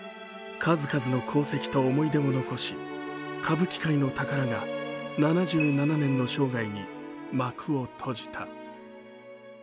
数々の功績を思い出を残し、歌舞伎界の宝が７７年の生涯に幕を閉じた。